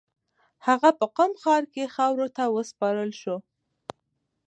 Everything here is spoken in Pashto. هغه په قم ښار کې خاورو ته وسپارل شو.